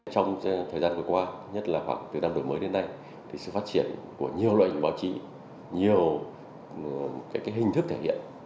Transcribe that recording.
trong thời gian vừa qua nhất là khoảng từ năm đổi mới đến nay thì sự phát triển của nhiều loại hình báo chí nhiều hình thức thể hiện